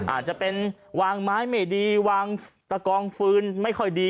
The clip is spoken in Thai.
อาจจะเป็นวางไม้ไม่ดีวางตะกองฟืนไม่ค่อยดี